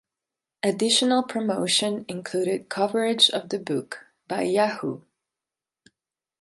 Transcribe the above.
Additional promotion included coverage of the book by Yahoo!